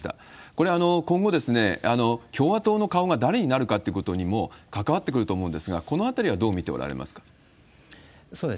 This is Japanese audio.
これ、今後、共和党の顔が誰になるかということにも関わってくると思うんですが、このあたりはどう見ておられますか？